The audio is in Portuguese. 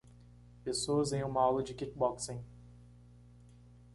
Pessoas em uma aula de kickboxing.